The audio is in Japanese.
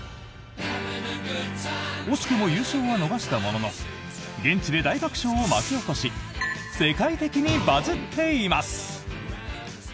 惜しくも優勝は逃したものの現地で大爆笑を巻き起こし世界的にバズっています。